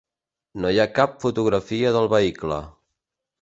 No hi ha cap fotografia del vehicle.